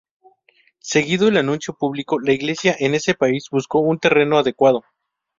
Seguido el anuncio público, la iglesia en ese país buscó un terreno adecuado.